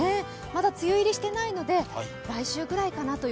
まだ梅雨入りしていないので、来週ぐらいかなと。